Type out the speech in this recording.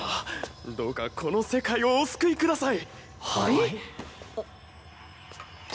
どうかこの世界をお救いください！